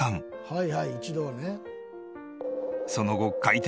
はいはい一度はね。